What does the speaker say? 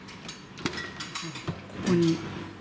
ここに。